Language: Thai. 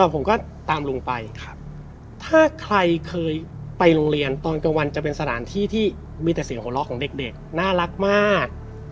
ผมก็ตามลุงไปถ้าใครเคยไปโรงเรียนตอนกลางวันจะเป็นสถานที่ที่มีแต่เสียงหัวเราะของเด็กน่ารักมาก